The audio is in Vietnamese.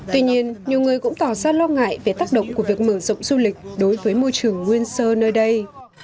tuy nhiên nhiều người cũng tỏ ra lo ngại về tác động của việc mở rộng du lịch đối với môi trường nguyên sơ nơi đây